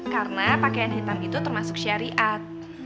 karena pakaian hitam itu termasuk syariat